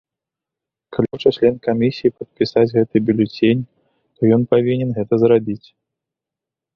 Калі хоча член камісіі падпісаць гэты бюлетэнь, то ён павінен гэта зрабіць.